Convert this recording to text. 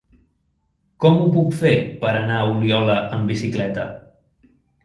Com ho puc fer per anar a Oliola amb bicicleta?